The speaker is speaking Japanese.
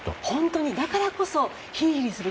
だからこそヒリヒリする